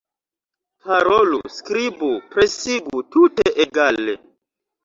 Parolu, skribu, presigu; tute egale.